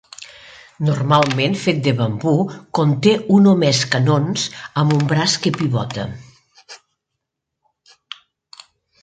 Normalment fet de bambú, conté un o més canons amb un braç que pivota.